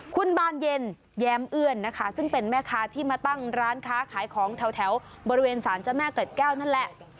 คุณบานเย็นแย้มเอื้อนนะคะซึ่งเป็นแม่ค้าที่มาตั้งร้านค้าขายของแถวบริเวณสารเจ้าแม่เกร็ดแก้วนั่นแหละ